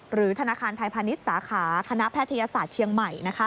ธนาคารไทยพาณิชย์สาขาคณะแพทยศาสตร์เชียงใหม่